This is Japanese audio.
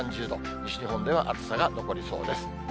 西日本では暑さが残りそうです。